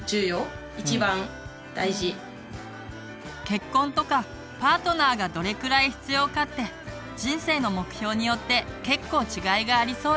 結婚とかパートナーがどれくらい必要かって人生の目標によって結構違いがありそうですね。